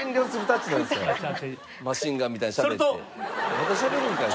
まだしゃべるんかい。